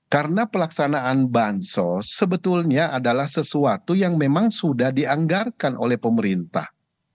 karena pelaksanaan bansos sebetulnya adalah sesuatu yang memang sudah dianggarkan oleh pemerintah